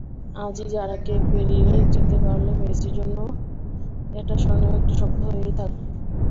আজই জারাকে পেরিয়ে যেতে পারলে মেসির জন্য এটা স্মরণীয় একটা সপ্তাহ হয়েই থাকবে।